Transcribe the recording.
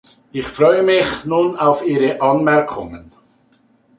Ich freue mich nun auf Ihre Anmerkungen.